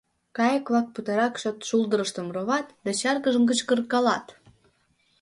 Кайык-влак путырак чот шулдырыштым роват да чаргыжын кычкыркалат.